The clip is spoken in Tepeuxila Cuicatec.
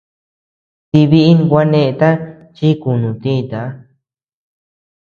Tilï biʼi gua neʼeta chi kunú tïta.